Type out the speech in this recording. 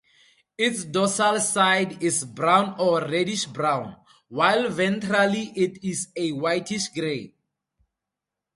Its dorsal side is brown or reddish-brown, while ventrally it is a whitish-grey.